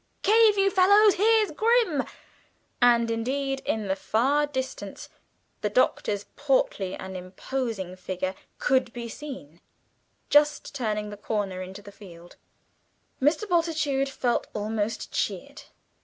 "Cave, you fellows, here's Grim!" and indeed in the far distance the Doctor's portly and imposing figure could be seen just turning the corner into the field. Mr. Bultitude felt almost cheered.